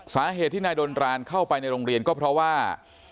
สาเหตุที่นายดนรานเข้าไปในโรงเรียนก็เพราะว่า